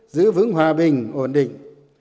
giữ vững hòa bình ổn định